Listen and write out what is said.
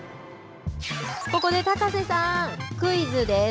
ここで高瀬さん、クイズです。